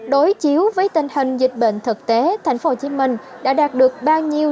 đối chiếu với tình hình dịch bệnh thực tế tp hcm đã đạt được bao nhiêu